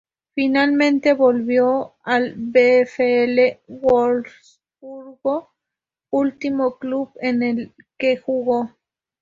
Finalmente volvió al VfL Wolfsburgo, último club en el que jugó.